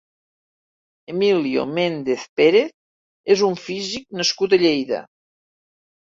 Emilio Méndez Pérez és un físic nascut a Lleida.